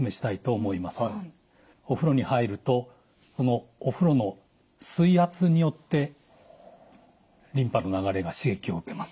お風呂に入るとこのお風呂の水圧によってリンパの流れが刺激を受けます。